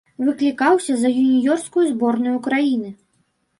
Выклікаўся за юніёрскую зборную краіны.